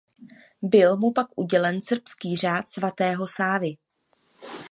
Byl mu pak udělen srbský Řád svatého Sávy.